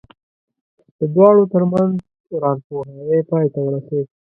د دواړو ترمنځ ورانپوهاوی پای ته ورسېد.